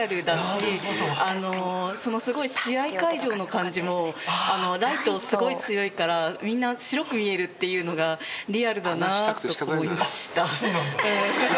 試合会場の感じもライトすごい強いからみんな白く見えるっていうのがリアルだなと思いました。